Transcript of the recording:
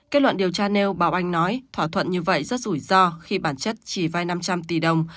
kết luận điều tra nêu bảo anh nói thỏa thuận như vậy rất rủi ro khi bản chất chỉ vai năm trăm linh tỷ đồng